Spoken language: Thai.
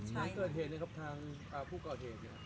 หลังเกิดเหตุครับผู้เกาะเหตุ